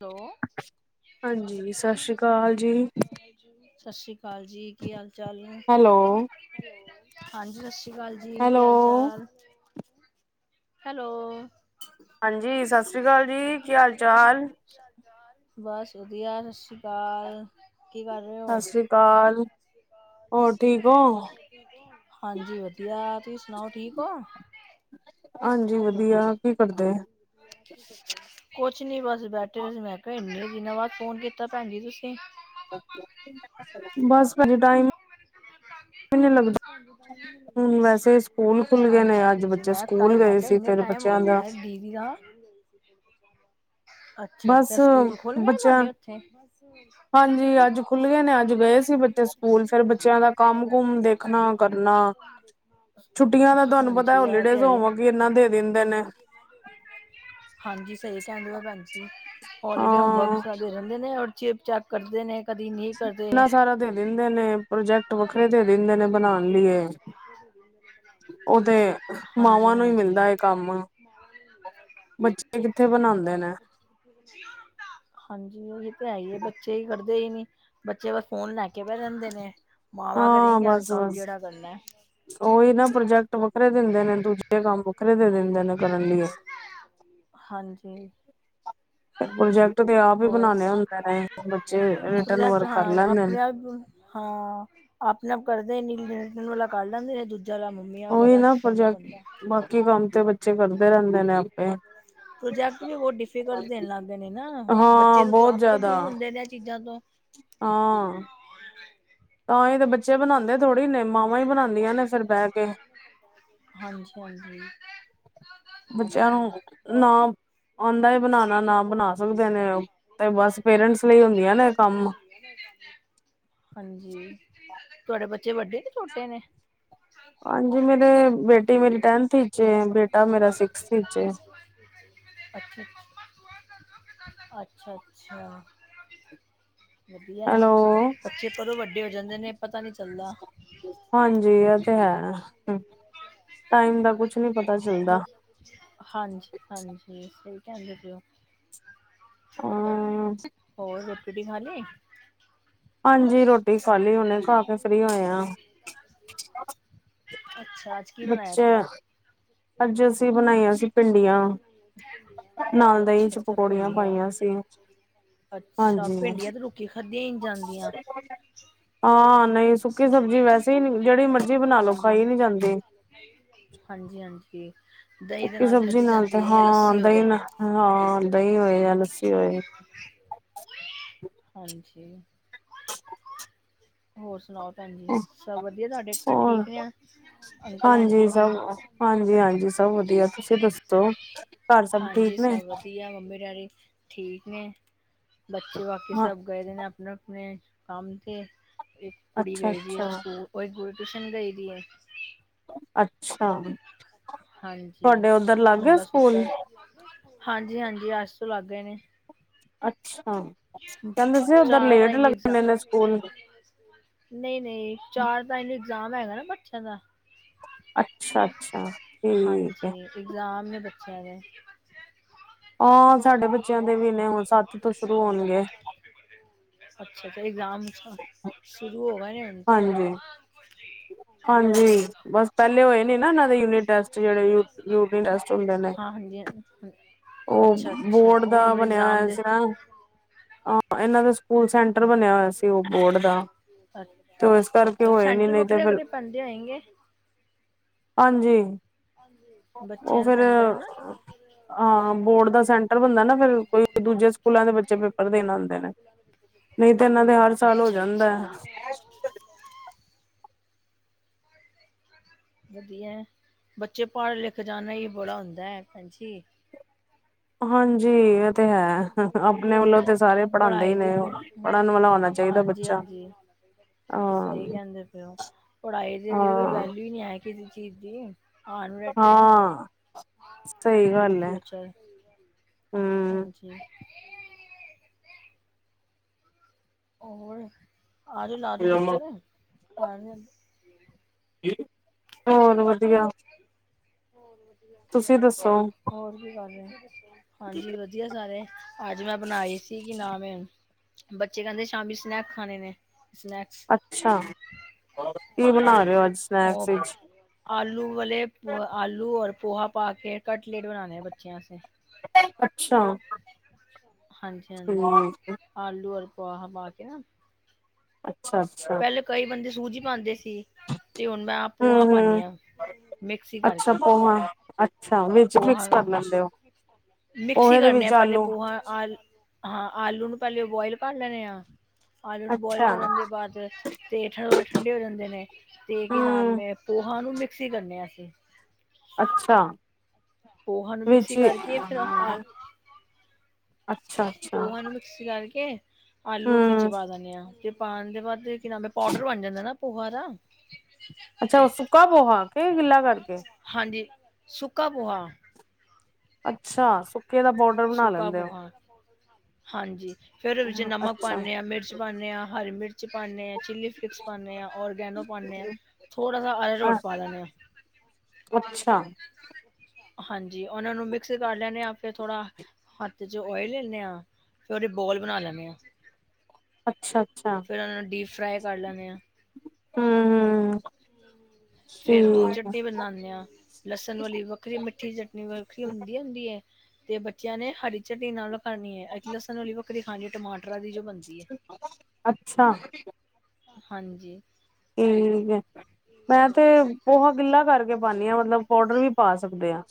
Hello, ਹਾਂਜੀ, ਸਤਿ ਸ੍ਰੀ ਅਕਾਲ ਜੀ। ‌‌‍‌ ਸਤਿ ਸ੍ਰੀ ਅਕਾਲ ਜੀ, ਕੀ ਹਾਲ ਚਾਲ ਨੇ? ਹੈਲੋ ਹਾਂਜੀ, ਸਤਿ ਸ਼੍ਰੀ ਅਕਾਲ ਜੀ। ਜੀ ਕੀ ਹੈਲੋ। ਹਾਲ ਚਾਲ? ਹੈਲੋ, ਹਾਂਜੀ, ਸਤਿ ਸ਼੍ਰੀ ਅਕਾਲ ਜੀ ਕੀ ਹਾਲ ਚਾਲ। ਬਸ ਵਧੀਆ, ਸਤਿ ਸ੍ਰੀ ਅਕਾਲ, ਕੀ ਕਰ ਰਹੇ ਓ? ਕਾਲ, ਹੋਰ ਠੀਕ ਓ? ਹਾਂਜੀ ਵਧੀਆ, ਤੁਸੀ ਸੁਣਾਓ ਠੀਕ ਓ? ਹਾਂਜੀ ਵਧੀਆ, ਕੀ ਕਰਦੇ। ਕੁਛ ਨੀ ਬਸ ਬੈਠੇ ਦੇ ਸੀ, ਮੈਂ ਕਿਹਾ ਇੰਨੇ ਦਿਨਾਂ ਬਾਅਦ ਫੋਨ ਕੀਤਾ ਭੈਣ ਜੀ ਤੁਸੀਂ। ਬਸ ਭਾਜੀ ਟਾਈਮ। [inaudible] ਹੀ ਨੀ ਲੱਗਦਾ ਹੁਣ ਵੈਸੇ ਸਕੂਲ ਖੁੱਲ ਗਏ ਨੇ ਅੱਜ ਹਾਂਜੀ-ਹਾਂਜੀ, ਬੱਚੇ ਮੈਂ ਤਾਂਈ ਸਕੂਲ ਮੈਂ। ਗਏ ਸੀ ਇੰਨਾ ਫੇਰ ਟਾਈਮ ਹੋ ਬੱਚਿਆਂ ਦਾ ਗਿਆ ਦੀਦੀ ਦਾ। ਅ ਬਸ ਅੱਛਾ-ਅੱਛਾ, ਸਕੂਲ ਖੁਲ੍ਹ ਗਏ ਬੱਚਿਆਂ ਤੁਹਾਡੇ ਉੱਥੇ? ਹਾਂਜੀ ਅੱਜ ਖੁੱਲ ਗਏ ਨੇ ਅੱਜ ਗਏ ਸੀ ਬੱਚੇ ਸਕੂਲ, ਫੇਰ ਬੱਚਿਆਂ ਦਾ ਕੰਮ ਕੁੁੰਮ ਦੇਖ ਰੱਖਣਾ ਕਰਨਾ। ਛੁੱਟੀਆਂ ਦਾ ਤੁਹਾਨੂੰ ਪਤੇ ਹਾਂਜੀ ਇਹ ਤੇ ਹੋਲੀਡੇਜ਼ ਹੈ ਹੀ ਹੈ। ਹੋਮਵਰਕ ਇਨਾ ਦੇ ਦਿੰਦੇ ਨੇ। ਹਾਂਜੀ, ਸਹੀ ਕਹਿੰਦੇ ਓ ਭੈਣ ਜੀ। ਹੋਲੀਡੇ ਹੋਮਵਰਕ ਹਾਂ ਸਾਡੇ ਜਾਂਦੇ ਨੇ ਔਰ ਚੇਪ ਚਾਪ ਕਰਦੇ ਨੇ। ਕਦੀ ਨਹੀਂ ਕਰਦੇ ਇੰਨਾ ਸਾਰਾ ਦੇ ਦਿੰਦੇ ਨੇ, ਪ੍ਰੋਜੈਕਟ ਵੱਖਰੇ ਦੇ ਦਿੰਦੇ ਨੇ ਬਣਾਣ ਲਈ ਏ। ਉਹ ਤੇ, ਮਾਵਾਂ ਹਾਂਜੀ ਨੂੰ ਹੀ ਹਾਂਜੀ ਮਿਲਦਾ ਏ ਕੰਮ। ਬੱਚੇ ਕਿੱਥੇ ਬਣਾਂਦੇ ਨੇ। ਹਾਂਜੀ, ਉਹੀ ਤਾਂ ਹੈ ਹੀ ਹੈ ਬੱਚੇ ਕਰਦੇ ਹੀ ਨੀ। ਬੱਚੇ ਬਸ ਫੋਨ ਲੈ ਕੇ ਬੈ ਜਾਂਦੇ ਨੇ। ਮਾਵਾਂ ਹਾਂ ਕਰੇਗੀਆ ਬਸ ਕੰਮ ਬਸ ਜਿਹੜਾ ਕਰਨਾ। ਉਹੀ ਨਾ ਪ੍ਰੋਜੈਕਟ ਵੱਖਰੇ ਦਿੰਦੇ ਨੇ ਦੂਜੇ ਕੰਮ ਵੱਖਰੇ ਦੇ ਦਿੰਦੇ ਨੇ ਕਰਨ ਲਈ ਏ। ਹਾਂਜੀ। ਪ੍ਰੋਜੈਕਟ ਤੇ ਆ। ਹੋਰ, ਰਿਟਰਨ ਪ੍ਰੋਜੈਕਟ ਵਰਕ ਕਰ ਹਾਂ ਲੈਂਦੇ ਆਪਣੇ ਨੇ ਆਪ। ਹਾਂ ਆਪਣੇ ਆਪ ਕਰਦੇ ਹੀ ਨਹੀਂ ਲਿਖਣ ਵਾਲਾ ਕਰ ਲੈਂਦੇ ਨੇ ਦੂਜਾ ਕੰਮ। ਮੰਮੀਆਂ ਉਹੀ ਵਗੈਰਾ ਨਾ ਕਰਨਾ ਪ੍ਰੋਜੈਕਟ ਪੈਂਦੇ। ਬਾਕੀ ਕੰਮ ਤੇ ਬੱਚੇ ਕਰਦੇ। ਰਹਿੰਦੇ ਨੇ ਆਪੇ ਪ੍ਰੋਜੈਕਟ ਵੀ ਬਹੁਤ ਡਿਫੀਕਲਟ ਦੇਣ ਲੱਗ ਗਏ ਨੇ ਨਾ, ਹਾਂ ਬੱਚੇ ਨੂੰ ਤਾਂ। ਬਹੁਤ ਕੋਈ ਜ਼ਿਆਦਾ ਦੂਰ ਹੁੰਦੇ ਨੇ ਇਹ ਚੀਜ਼ਾਂ ਤੋਂ। ਹਾਂ। ਤਾਂ ਇਹ ਤੇ ਬੱਚੇ ਬਣਾਉਂਦੇ। ਥੋੜ੍ਹੀ ਨੇ ਮਾਵਾਂ ਹੀ ਬਣਾਉਂਦੀਆਂ ਨੇ ਫਿਰ ਬਹਿ ਕੇ ਹਾਂਜੀ ਹਾਂਜੀ। ਬੱਚਿਆਂ ਨੂੰ ਹੋਰ ਨਾ। ਆਉਂਦਾ ਹੀ ਬਣਾਉਣਾ ਨਾ ਬਣਾ ਸਕਦੇ ਨੇ ਤੇ ਬਸ ਪੇਰੈਂਟਸ ਲਈ ਹੁੰਦੀਆਂ ਨੇ ਕੰਮ। ਹਾਂਜੀ ਤੁਹਾਡੇ ਬੱਚੇ ਵੱਡੇ ਕੇ ਛੋਟੇ ਨੇ? ਹਾਂਜੀ, ਮੇਰੇ ਹਾਂਜੀ ਬੇਟੀ ਮੇਰੀ ਟੈਨਥ ਚ ਏ ਬੇਟਾ ਮੇਰਾ ਸਿਕਸਥ ਵਿਚ ਏ। ਅਛਾ ਅੱਛਾ ਅੱਛਾ। ਵਧੀਆ, ਹੈਲੋ ਬੱਚੇ ਕਦੋਂ ਵੱਡੇ ਹੋ ਜਾਂਦੇ ਨੇ ਪਤਾ ਨੀ ਚੱਲਦਾ। ਹਾਂਜੀ ਇਹ ਤੇ ਹੈ, ਟਾਈਮ ਦਾ ਕੁਛ ਨੀ ਪਤਾ ਚੱਲਦਾ। ਹੋ ਹਾਂਜੀ ਹਾਂਜੀ ਸਹੀ ਕਹਿੰਦੇ ਪਏ ਹੋ। ਹਾਂ। ਹੋਰ, ਰੋਟੀ ਰੂਟੀ ਖਾ ਲਈ? ਹਾਂਜੀ ਰੋਟੀ ਖਾਲੀ, ਹੁਨੇ ਖਾ ਕੇ ਫ੍ਰਰੀ ਹੋਏ ਆ। ਅੱਛਾ। ਕੀ ਬਣਾਇਆ ਬੱਚੇ। ਅੱਜ ਅਸੀਂ ਬਣਾਈਆਂ ਸੀ ਭਿੰਡੀਆਂ, ਨਾਲ ਦਹੀਂ ਅੱਛਾ ਚ ਅੱਛਾ ਪਕੌੜੀਆਂ ਭਿੰਡੀਆਂ ਪਾਈਆਂ ਸੀ। ਅੱਛਾ ਹਾਂਜੀ ਭਿੰਡੀਆਂ ਤੇ ਰੁਖੀਆਂ ਖਾਦੀਆਂ ਹੀ ਨਹੀਂ ਜਾਂਦੀਆਂ। ਹਾਂ, ਨਹੀਂ ਸੁੱਕੀ ਸਬਜ਼ੀ ਵੈਸੇ ਈ ਜਿਹੜੀ ਮਰਜ਼ੀ ਬਣਾ ਲੋ ਹਾਂਜੀ, ਖਾਈ ਨੀ ਜਾਂਦੀ। ਹਾਂਜੀ ਹਾਂਜੀ। ਦਹੀਂ ਦੇ ਸੁੱਕੀ ਸਬਜ਼ੀ ਖਾਧੀ ਨਾਲ ਤੇ ਜਾਂਦੀ ਹੈ ਜਾਂ ਹਾਂ ਲੱਸੀ ਉਹਦੇ। ਦਹੀਂ ਨਾਲ ਹਾਂ ਦਹੀਂ ਹੋਏ ਜਾਂ ਲੱਸੀ ਹੋਏ। ਹਾਂਜੀ। ਹੋਰ ਸੁਣਾਓ ਭੈਣ ਜੀ, ਸਭ ਵਧੀਆ ਤੁਹਾਡੇ ਘਰ ਹੋਰ ਠੀਕ ਰਿਹਾ ਅੰਕਲ ਆਂਟੀ ਹਾਂਜੀ ਸਭ ਜੀ? ਹਾਂਜੀ, ਹਾਂਜੀ ਸਭ ਵਧੀਆ ਤੁਸੀਂ ਦੱਸੋ? ਘਰ ਸਭ ਠੀਕ ਹਾਂਜੀ, ਨੇ ਸਭ ਵਧੀਆ ਮੰਮੀ ਡੈਡੀ ਠੀਕ ਨੇ। ਬੱਚੇ ਬਾਾਕੀ ਹਾਂ ਸਭ ਗਏ ਦੇ ਨੇ, ਆਪਣੇ ਆਪਣੇ ਕੰਮ ਤੇੇ। ਇੱਕ ਕੁੜੀ ਅੱਛਾ ਗਈ ਦੀ ਏ ਅੱਛਾ ਸਕੂਲ ਗੁਰ ਟਿਊਸ਼ਨ ਗਈ ਦੀਏ ਹੈ। ਅੱਛਾ ਹਾਂਜੀ। ਤੁਹਾਡੇ ਉੱਧਰ ਲਾਗ ਗਏ ਮੁੰਡਾ ਸੁੱਤਾ ਸਕੂਲ ਹਾਂਜੀ, ਹਾਂਜੀ ਅਜ ਤੋਂ ਲਾਗ ਗਏ ਨੇ। ਅੱਛਾ ਕਹਿੰਦੇ ਸੀ, ਉੱਧਰ ਚਾਰ ਲੇਟ ਤਾਈ ਨੂੰ ਲੱਗਣੇ ਇਗਜ਼ਾਮ ਨੇ ਸਕੂਲ। ਨਹੀਂ ਨਹੀਂ ਚਾਰ ਦਾ ਇਹਨਾਂ ਦਾ ਇਗਜ਼ਾਮ ਹੈਗਾ ਨਾ ਬੱਚਿਆਂ ਦਾ। ਅੱਛਾ ਅੱਛਾ ਠੀਕ ਹੈ। ਹਾਂਜੀ ਇਗਜ਼ਾਮ ਮੈਂ ਬੱਚਿਆਂ ਦੇ। ਹਾਂ ਸਾਡੇ ਬੱਚਿਆਂ ਦੇ ਵੀ ਨੇ ਹੁਣ ਸੱਤ ਤੋਂ ਸ਼ੁਰੂ ਸ਼ਾਮ ਜ ਹੋਣਗੇ ਲਵੋ ਪੇਪਰੇ [unintelligible] ਅੱਛਾ ਤਾਂ ਇਗਜ਼ਾਮ ਸ਼ੁਰੂ ਹੋ ਗਏ ਨੇ ਹੁਣ ਤੇ। ਹਾਂਜੀ ਹਾਂਜੀ ਬਸ ਪਹਿਲੇ ਹੋਏ ਨਹੀਂ ਨਾ ਉਹਨਾਂ ਦੇ ਯੂਨਿਟ ਟੈਸਟ ਜਿਹੜੇ ਯੂਨਿਟ ਟੈਸਟ ਹੁੰਦੇ ਨੇ। ਹਾਂ ਹਾਂਜੀ ਉਹ ਅੱਛਾ ਅੱਛਾ। ਬੋਰਡ ਉਹ ਦਾ ਹੁਣ ਬਣਿਆ ਇਗਜ਼ਾਮ ਹੋਇਆ ਦੇ ਸੀ ਨਾ। ਅਛਾ ਇਹਨਾਂ ਦੇ ਸਕੂਲ ਸੈਂਟਰ ਬਣਿਆ ਹੋਇਆ ਸੀ ਉਹ ਬੋਰਡ ਦਾ ਅੱ ਤੇ ਉਹ ਇਸ ਅੱਛਾ ਕਰਕੇ ਅੱਛਾ ਹੋਏ ਨੀ ਸੈਂਟਰ ਨਹੀਂ ਤੇ ਵੱਖਰੇ ਫਿਰ ਵੱਖਰੇ ਪੈਂਦੇ ਹੋਏਗੇ। ਹਾਂਜੀ ਉਹ ਬੱਚਿਆਂ ਦੇ ਫਿਰ ਸੈਂਟਰ ਹਨਾ ਹਾਂ ਬੋਰਡ ਦਾ ਸੈਂਟਰ ਬਣਦਾ ਨਾ ਫੇਰ ਕੋਈ ਦੂਜੇ ਸਕੂਲਾਂ ਦੇ ਬੱਚੇ ਪੇਪਰ ਦੇਣ ਆਉਂਦੇ ਨੇ ਅੱਛਾ ਅੱਛਾ। ਹਦਾ। [unintelligible] [inaudible] ਵਧੀਆ ਬੱਚੇ ਪੜ ਲਿਖ ਜਾਣ ਹੀ ਬੜਾ ਹੁੰਦਾ ਹੈ ਭੈਣ ਜੀ। ਹਾਂਜੀ ਇਹ ਤੇ ਹੈ ਆਪਣੇ ਵੱਲੋਂ ਤੇ ਸਾਰੇ ਪੜ੍ਹਾਉਂਦੇ ਹੀ ਪੜ੍ਹਾਈ ਦੀ ਨੇ ਪੜ੍ਹਨ ਵਾਲਾ ਹੋਣਾ ਚਾਹੀਦਾ ਹਾਂਜੀ ਬੱਚਾ ਹਾਂਜੀ ਸਹੀ ਹਾਂ ਕਹਿੰਦੇ ਪਏ ਹੋ ਪੜ੍ਹਾਈ ਦੇ ਅੱਗੇ ਕੋਈ ਹਾਂ ਵੈਲਯੁ ਨਹੀ ਹੈ ਕਿਸੇ ਚੀਜ਼ ਦੀ ਆਂਨ ਵਾਲਾ ਟਾਈਮ ਹਾਂ ਸਹੀ ਇਨ ਗੱਲ ਹੈ ਫਿਊਚਰ‌ ਹਮ ਹਾਂਜੀ। ਹੋਰ ਆਜੋ ਲਾਜੋ ਚੱਕਰ ਹੋਰ ਵਧੀਆ ਹੋਰ ਵਧੀਆ ਤੁਸੀਂ ਦੱਸੋ ਹੋਰ ਕੀ ਕਰ ਰਹੇ ਹਾਂਜੀ ਵਧੀਆ ਸਾਰੇ ਅੱਜ ਮੈਂ ਬਣਾਈ ਸੀ ਕਿ ਨਾ ਏ ਬੱਚੇ ਕਹਿੰਦੇ ਸ਼ਾਮੀ ਸਨੈਕਸ ਖਾਣੇ ਨੇ ਸਨੈਕ ਅੱਛਾ ਕੀ ਬਣਾ ਰਹੇ ਹੋ ਹਾਂਜੀ ਅੱਜ ਉਹ ਸਨੈਕਸ ਵਿੱਚ ਆਲੂ ਵਾਲੇ ਆਲੂ ਔਰ ਪੋਹਾ ਪਾ ਕੇ ਕਟਲੇਟ ਬਣਾਉਣੇ ਆ ਬੱਚਿਆ ਆਸਤੇ ਅੱਛਾ। ਹਾਂਜੀ, ਹਾਂਜੀ ਠੀਕ ਆਲੂ ਔਰ ਪੋਹਾ ਪਾ ਕੇ ਨਾ ਅੱਛਾ, ਅੱਛਾ। ਪਹਿਲੇ ਕਈ ਬੰਦੇ ਸੂਜੀ ਪਾਉਂਦੇ ਸੀ ਤੇ ਹੁਣ ਮੈਂ ਹੂੰ ਪੋਹਾ ਪਾਉਂਦੀ ਹੂੰ ਹਾਂ। ਮਿਕਸੀ ਅੱਛਾ ਕਰਕੇ ਪੋਹਾ ਅੱਛਾ ਵਿੱਚ ਮਿਕਸ ਪੋਹਾ ਕਰ ਨੂੰ ਲੈਂਦੇ ਹੋ ਮਿਕਸੀ ਪੋਹੇ ਦੇ ਕਰਨੇ ਆ ਵਿੱਚ ਪਹਿਲੇ ਆਲੂ ਪੋਹਾ ਹਾਂ ਆਲੂ ਨੂੰ ਪਹਿਲੇ ਬੋਆਇਲ ਕਰ ਲੈਣੇ ਆ ਆਲੂ ਨੂੰ ਬੋਇਲ ਅੱਛਾ ਕਰਨ ਦੇ ਬਾਅਦ ਤੇ ਠੰਡੇ ਹੋ ਜਾਂਦੇ ਨੇ ਤੇ ਕੀ ਨਾਮ ਹੂੰ ਅ ਪੋਹਾ ਨੂੰ ਮਿਕਸੀ ਕਰਨੇ ਆ ਅਸੀਂ ਅੱਛਾ। ਪੋਹਾ ਨੂੰ ਵਿੱਚ ਮਿਕਸੀ ਹੀ, ਕਰਕੇ ਫਿਰ ਆਪਾ ਅੱਛਾ ਅੱਛਾ ਮਿਕਸ ਕਰਕੇ ਆਲੂ ਵਿਚ ਹੂੰ ਪਾ ਦੇਣੇ ਆ ਤੇ ਪਾਉਣ ਦੇ ਬਾਅਦ ਕੀ ਨਾਮ ਏ ਪਾਊਡਰ ਬਣ ਜਾਂਦਾ ਨਾ ਪੋਹਾ ਦਾ ਅੱਛਾ ਸੁੱਕਾ ਪੋਹਾ ਕੇ ਗੀਲਾ ਕਰਕੇ ਹਾਂਜੀ ਸੁੱਕਾ ਪੋਹਾ ਅੱਛਾ ਸੁੱਕੇ ਦਾ ਪੋਡਰ ਬਣਾ ਸੁੱਕਾ ਲੈਂਦੇ ਹੋ। ਪੋਹਾ ਹਾਂਜੀ ਫੇਰ ਉਹਦੇ ਵਿੱਚ ਹੋ ਨਮਕ ਅੱਛਾ ਪਾਉਂਦੇ ਹਾਂ ਮਿਰਚ ਪਾਉਦੇ ਹਾਂ ਹਰੀ ਮਿਰਚ ਪਾਦੇ ਹਾਂ ਚਿੱਲੀ ਫਲੇਕਸ ਪਾਉਂਦੇ ਹਾਂ ਔਰਗੈਨੋ ਪਾਉਂਦੇ ਆ ਅ ਥੋੜਾ ਜਾ ਅਰਾਰੋਟ ਪਾ ਲੈਂਦੇ ਹਾਂ। ਅੱਛਾ। ਹਾਂਜੀ ਉਹਨਾਂ ਨੂੰ ਮਿਕਸ ਕਰ ਲੈਣੇ ਹਾਂ ਫਿਰ ਥੋੜ੍ਹਾ ਹੱਥ ਚ ਓਇਲ ਲੈਂਦੇ ਹਾਂ ਫਿਰ ਉਹਦੇ ਬੋਲ ਬਣਾ ਲੈਂਦੇ ਹਾਂ ਅੱਛਾ, ਅੱਛਾ ਹਮ ਉਹਨਾਂ ਨੂੰ ਡੀਪ ਫਰਾਈ ਕਰ ਲੈਨੇ ਆ। ਹਮ। ਫਿਰ ਦੋ ਚਟਨੀ ਬਣਾਉਂਦੇ ਹਾਂ। ਲਸਣ ਵਾਲੀ ਵੱਖਰੀ ਮਿੱਠੀ ਚਟਨੀ ਵੱਖਰੀ ਹੁੰਦੀ ਹੈ। ਤੇ ਬੱਚਿਆਂ ਨੇ ਹਰੀ ਚਟਨੀ ਨਾਲ ਖਾਣੀ ਹੈ, ਲਸਨ ਵਾਲੀ ਵੱਕਰੀ ਖਾਣੀ ਟਮਾਟਰਾਂ ਦੀ ਜੋ ਬਣਦੀ ਏ। ਅੱਛਾ ਹਾਂਜੀ ਠੀਹੈ ਹੈ ਮੈਂ ਤੇ ਪੋਹਾ ਗਿੱਲਾ ਕਰਕੇ ਪਾਦੀ ਹਾਂ ਮਤਲਬ ਪਾੋਡਰ ਵੀ ਪਾ ਸਕਦੇ ਹਾਂ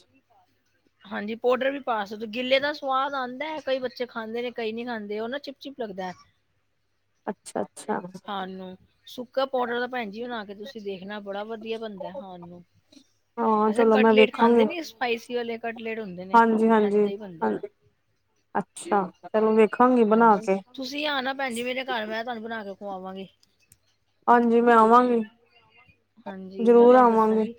ਹਾਂਜੀ ਪਾੋਡਰ ਵੀ ਪਾ ਸਕਦੇ ਗਿੱਲੇ ਦਾ ਸਵਾਦ ਆਉਂਦਾ ਹੈ ਕਈ ਬੱਚੇ ਖਾਂਦੇ ਨੇ ਕਈ ਨੀ ਖਾਂਦੇ ਉਹ ਨਾ ਚਿਪ ਚਿਪ ਲੱਗਦਾ ਅੱਛਾ ਅੱਛਾ ਹਾਨੁ ਸੁੱਕਾ ਪਾਊਡਰ ਤਾਂ ਭੈਣ ਜੀ ਬਣਾ ਕੇ ਤੁਸੀਂ ਦੇਖਣਾ ਬੜਾ ਵਧੀਆ ਬਣਦਾ ਹਾਨੁ ਹਾਂ ਅਸ਼ਾ ਚਲੋ ਮੈਂ ਕਟਲੇਟ ਖਾਂਦੇ ਨੀ ਸਪਾਈਸੀ ਵਾਲੇ ਕਟਲੇਟ ਹੁੰਦੇ ਨੇ ਹਾਂਜੀ ਹਾਂਜੀ ਏਦਾਂ ਹੀ ਬਣਦਾ ਹੈ। ਅੱਛਾ ਚਲੋ ਵੇਖਾਂਗੀ ਬਣਾ ਹਾਂਜੀ ਕੇ ਤੁਸੀਂ ਆਣਾ ਭੈਣੀ ਮੇਰੇ ਘਰ ਮੈਂ ਤੁਹਾਨੂੰ ਬਣਾ ਕੇ ਖਵਾਵਾਂਗੀ ਹਾਂਜੀ ਮੈਂ ਆਵਾਂਗੀ ਹਾਂਜੀ ਮੈਂ ਜ਼ਰੂਰ ਤੁਹਾਨੂੰ ਆਵਾਂਗੇ ਦੱਸਾਂਗੀ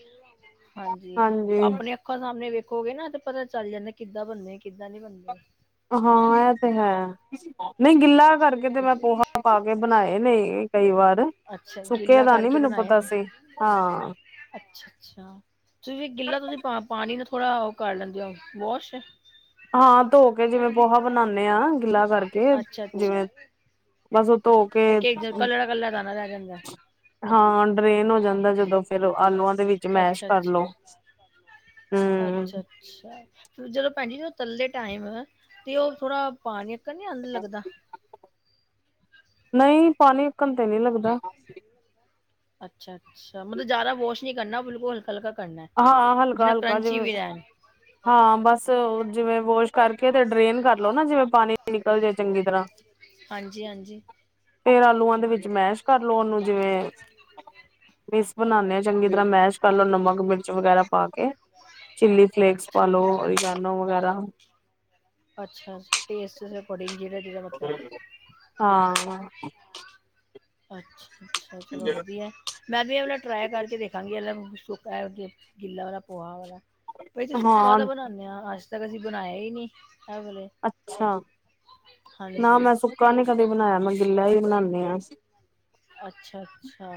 ਹਾਂਜੀ ਆਪਣੇ ਅੱਖਾ ਸਾਹਮਣੇ ਵੇਖੋਗੇ ਨਾ ਤੇ ਪਤਾ ਚੱਲ ਜਾਂਦਾ ਕਿੱਦਾਂ ਬਣਨਦੇ ਕਿੱਦਾਂ ਨਹੀ ਬਣਦੇ ਹਾਂ ਇਹ ਤੇ ਹੈ। ਨਹੀਂ ਗਿੱਲਾ ਕਰਕੇ ਤੇ ਮੈਂ ਇਸ- ਪੋਹਾ ਪਾ ਕੇ ਬਨਾਏ ਨੇ ਕਈ ਵਾਰ। ਅੱਛਾ ਸੁੱਕੇ ਗਿੱਲਾ ਦਾ ਨੀ ਕਰਕੇ ਮੈਨੂੰ ਬਣਾਏ ਪਤਾ ਨੇ ਸੀ ਹਾਂ। ਅੱਛਾ ਅੱਛਾ। ਤੁਸੀਂ ਵੀ ਗਿੱਲਾ ਤੁਸੀਂ ਪਾ ਪਾਣੀ ਨੂੰ ਥੋੜਾ ਉਹ ਕਰ ਲੈਂਦੇ ਹੋ ਵਾਸ਼। ਹਾਂ ਹਾਂ ਧੋ ਕੇ ਜਿਵੇਂ ਪੋਹਾ ਬਨਾਨੇ ਹਾਂ ਗਿੱਲਾ ਕਰਕੇ ਅੱਛਾ ਜਿਵੇਂ ਅੱਛਾ ਬਸ- ਦੋ ਕੇ- ਇੱਕ ਇੱਕ ਕੱਲੜਾ ਕੱਲਾ ਦਾਣਾ ਰਹਿ ਜਾਂਦਾ ਹਾਂ ਡਰੇਨ ਹੋ ਜਾਂਦਾ ਜਦੋਂ ਫਿਰ ਆਲੂਆਂ ਦੇ ਵਿੱਚ ਮੈਸ਼ ਅੱਛਾ ਕਰ ਲੋ। ਅੱਛਾ ਅੱਛਾ ਅੱਛਾ ਜਦੋਂ ਭੈਣਜੀ ਜਦੋ ਤੱਲਦੇ ਟਾਈਮ ਤੇ ਉਹ ਥੋੜਾ ਪਾਣੀ ਵਕਾਨ ਆੰ ਲੱਗਦਾ। ਨਹੀਂ ਪਾਨੀ ਵਕਨ ਤੇ ਨਹੀ ਲੱਗਦਾ। ਅੱਛਾ ਅੱਛਾ ਮਤਲਬ ਜ਼ਿਆਦਾ ਵਾਸ਼ ਨੀ ਕਰਨਾ ਬਿਲਕੁਲ ਹਲਕਾ ਹਲਕਾ ਕਰਨਾ ਹਾਂ ਹਲਕਾ ਜਿਨਾ ਹਲਕਾ ਕਰੰਚੀ ਜਿਵੇ ਵੀ ਰਹਿਣ ਹਾਂ ਬਸ ਜਿਵੇਂ ਵੋਸ਼ ਕਰਕੇ ਤੇ ਡਰੇਨ ਕਰ ਲਓ ਨਾ ਜਿਵੇਂ ਪਾਣੀ ਨਿਕਲ ਜੇ ਚੰਗੀ ਤਰ੍ਹਾਂ ਹਾਂਜੀ ਹਾਂਜੀ ਫੇਰ ਆਲੂਆਂ ਦੇ ਵਿੱਚ ਮੈਸ਼ ਕਰਲੋ ਉਹਨੂੰ ਜਿਵੇਂ ਮਿਸ ਬਣਾਨੇ ਆ ਚੰਗੀ ਤਰ੍ਹਾਂ ਮੈਸ਼ ਕਰ ਲੋਓ ਨਮਕ ਚ ਵਗੈਰਾ ਪਾ ਕੇ ਚਿੱਲੀ ਫਲੇਕਸ ਅੱਛਾ ਪਾਲੋ ੳਰਿਗੇਨੋ ਵਗੈਰਾ। ਅੱਛਾ ਟੇਸਟ ਦੇ ਅਕੋਰਡਿੰਗ ਜਿਵੇ ਹਾਂ। ਅੱਛਾ ਅੱਛਾ ਚਲੋ ਵਧੀਆ। ਮੈਂ ਵੀ ਐ ਵਾਲਾ ਟਰਾਈ ਕਰਕੇ ਵੇਖਾਂਗੀ ਸੁੱਕਾ ਏ ਕੇ ਗਿੱਲਾ ਵਾਲਾ ਪੋਹਾ ਵਾਲਾ। ਵੇਸੇ ਸੁੱਕਾ ਹਾਂ ਤਾਂ ਬਨਾਨੇ ਆਾਂ ਅੱਜ ਤੱਕ ਅਸੀਂ ਬਨਾਇਆ ਹੀ ਨਹੀ ਐ ਵਾਲੇ। ਅੱਛਾ ਨਾ ਹਾਂਜੀ ਮੈਂ ਸੁੱਕਾ ਨੀ ਕਦਿ ਬਨਾਯਾ ਮੈਂ ਗਿੱਲਾ ਹੀ ਬਨਾਨੀ ਹਾਂ। ਅੱਛਾ ਅੱਛਾ।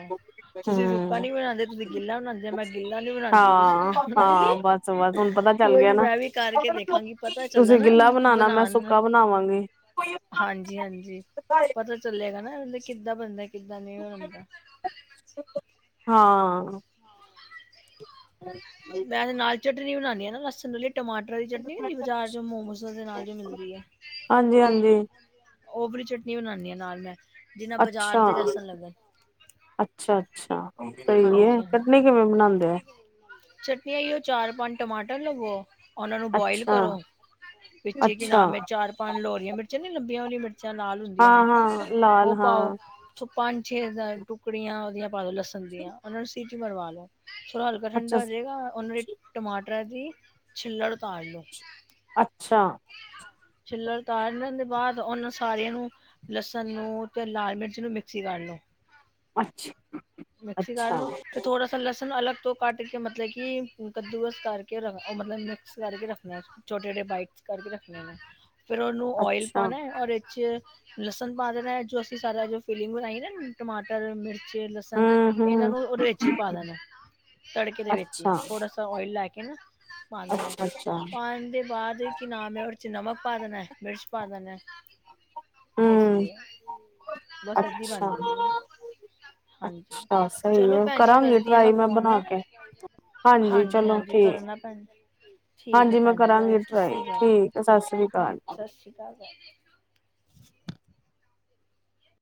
ਤੁਸੀਂ ਹਮ ਸੁੱਕਾ ਨੀ ਬਣਾਦੇ ਤੁਸੀਂ ਗਿੱਲਾ ਬਣਾਉਂਦੇ ਮੈਂ ਗਿੱਲਾ ਨੀ ਬਣਾਉਂਦੀ ਤੁਸੀਂ ਹਾਂ ਸੁੱਕਾ ਬਸ ਬਸ ਹਾਂ। ਹੁਣ ਪਤਾ ਚੱਲ ਕੋਈ ਗਿਆ ਨੀ ਨਾ ਮੈਂ ਵੀ ਕਰਕੇ ਦੇਖਾਂਗੀ ਪਤਾ ਚੱਲਦਾ ਤੁਸੀਂ ਨਾ ਗਿੱਲਾ ਬਣਾਉਣਾ ਮੈਂ ਬਣਾਉਣ ਸੁੱਕਾ ਬਣਾਵਾਂਗੀ ਹਾਂਜੀ ਹਾਂਜੀ ਪ ਪਤਾ ਚਲੇਗਾ ਨਾ ਕਿੱਦਾਂ ਬਣਦਾ ਕਿੱਦਾਂ ਨਹੀਂ ਬਣਦਾ। ਹਾਂ। ਮੈਂ ਤੇ ਨਾਲ ਚਟਨੀ ਬਣਾਨੀ ਆ ਨਾ ਲਸਣ ਆਲੀ। ਟਮਾਟਰਾਂ ਦੀ ਚਟਨੀ ਨੀ ਮਿਲਦੀ ਬਾਜ਼ਾਰ ਚ ਜੇ ਮੋਮੋਸ ਦੇ ਨਾਲ ਜੋ ਮਿਲਦੀ ਏ। ਹਾਂਜੀ ਹਾਂਜੀ। ਓਵਰੀ ਚਟਨੀ ਬਣਾਨੀ ਆਾਂ ਨਾਲ ਮੈਂ। ਜਿਨਾ ਅੱਛਾ ਬਾਜ਼ਾਰ ਦੇ ਲਸਣ ਲੱਗਣ ਅੱਛਾ ਅੱਛਾ। ਸਹੀ ਏ ਚਟਨੀ ਕਿਵੇਂ ਬਣਾਨਦੇ ਔ। ਚਟਨੀ ਐਈ ਉਹ ਚਾਰ ਪੰਜ ਟਮਾਟਰ ਲਵੋ। ਉਹਨਾਂ ਨੂੰ ਬੋਇਲ ਅੱਛਾ ਕਰੋ ਵਿਚੇ ਕੀ ਅੱਛਾ ਨਾਮ ਏ ਚਾਰ ਪੰਜ ਲੋਰੀਆਂ ਮਿਰਚਾਂ ਨੀ ਲੰਬੀਆਂ ਵਾਲੀਆਂ ਮਿਰ ਮੀਰਚਾਂ ਨਾਲ ਹੁੰਦੀਆਂ ਹਾਂ ਨੇ ਹਾਂ ਲਾਲ ਉਹ ਹਾਂ ਪਾਓ। ਛ ਪੰਜ ਛੇ ਸਤ ਟੁਕੜੀਆਂ ਉਹਦੀਆਂ ਪਾ ਲੋ ਲਸਣ ਦੀਆਂ ਉਹਨਾਂ ਨੂੰ ਸੀਟੀ ਮਰਵਾ ਲੋ। ਥੋਡਾ ਹਲਕਾ ਅੱਛਾ ਠੰਢਾ ਹੋ ਜਾਏਗਾ ਉਹਨਾਂ ਦੇ ਟਮਾਟਰਾਂ ਦੀ ਛਿੱਲੜ ਉਤਾਰ ਲਓ। ਅੱਛਾ। ਛੀਲਰ ਉਤਾਰਨ ਦੇ ਬਾਅਦ ਉਹਨਾਂ ਸਾਰਿਆਂ ਨੂੰ ਲਸਣ ਨੂੰ ਤੇ ਲਾਲ ਮਿਰਚ ਨੂੰ ਮਿਕਸੀ ਕਰ ਲੋ। ਅੱਛਾ ਮਿਕਸੀ ਅੱਛਾ ਕਰਲੋ ਤੇ ਥੋੜਾ ਲਸੁਨ ਅਲਗ ਤੋਂ ਕਟ ਕੇ ਮਤਲਬ ਕੀ ਕੱਦੂਕਸ ਕਰਕੇ ਰ ਮਤਲਬ ਮਿਕ੍ਸ ਕਰਕੇ ਰੱਖਣੇ। ਛੋਟੇ ਛੇਟੇ ਬਾਈਟਸ ਕਰਕੇ ਰੱਖਣੇ ਨੇ ਫਿਰ ਉਹਨੂੰ ਓਇਲ ਅੱਛਾ ਪਾਣਾ ਹੈ ਓਥੇ ਚ ਲਸਣ ਪਾ ਦੇਣਾ ਹੈ ਜੋ ਅਸੀਂ ਸਾਰਾ ਏ ਫੀਲਿੰਗ ਬਣਾਇ ਏ ਨਾ ਟਮਾਟਰ ਮਿਰਚ ਲਸਣ ਹਮ ਇਹਨਾਂ ਹਮ ਨੂੰ ਉਹਦੇ ਵਿੱਚ ਹੀ ਪਾ ਦੇਣਾ। ਤੜਕੇ ਦੇ ਵਿੱਚ ਹੀ ਅੱਛਾ ਥੋੜਾ ਸ ਓਇਲ ਲੈ ਕੇ ਨਾ ਪਾ ਦੇਣਾ ਅੱਛਾ ਅੱਛਾ ਪਾਣ ਦੇ ਬਾਅਦ ਕੀ ਨਾਮ ਹੈ ਉਹਦੇ ਚ ਨਮਕ ਪਾ ਦੇਣਾ ਮਿਰਚ ਪਾ ਦੇਣਾ ਇਸ ਹਮ ਲਈ ਬਸ ਅਧੀ ਬਣ ਅੱਛਾ ਜਾਂਦੀ ਆ ਹਾਂਜੀ ਅੱਛਾ ਸਹੀ ਚਲੋ ਹੈ ਭੈਣ ਜੀ ਕਰਾਂਗੀ ਕਰਦੀ ਹਾਂ ਮੈਂ ਟਰਾਈ ਫੋਨ ਬਣਾ ਨਾ ਕੇ ਹਾਂਜੀ ਚਲੋ ਹਾਂਜੀ ਠੀਕ ਕਰਨਾ ਪੈਣ ਠੀਕ ਹੈ ਹਾਂਜੀ ਮੈਂ ਭੈਣ ਜੀ ਭਾ ਕਰਾਂਗੀ ਸਤਿ ਟਰਾਈ ਸ੍ਰੀ ਅਕਾਲ ਠੀਕ ਹੈ ਸਤਿ ਸ੍ਰੀ ਅਕਾਲ ਹਾਂ ਸਤਿ ਸ਼੍ਰੀ ਅਕਾਲ